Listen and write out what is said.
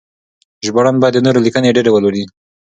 ژباړن باید د نورو لیکنې ډېرې ولولي.